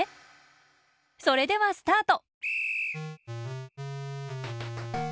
それではスタート！